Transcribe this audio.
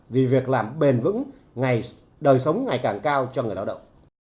vì việc làm bền vững đời sống ngày càng cao cho người lao động